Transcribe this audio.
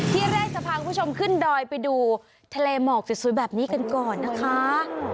ที่แรกจะพาคุณผู้ชมขึ้นดอยไปดูทะเลหมอกสวยแบบนี้กันก่อนนะคะ